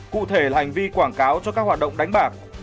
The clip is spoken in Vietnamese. cụ thể là hành vi quảng cáo cho các hoạt động đánh bạc